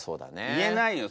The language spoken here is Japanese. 言えないよ